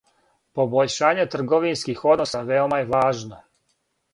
Побољшање трговинских односа веома је важно.